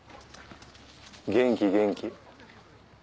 元気元気。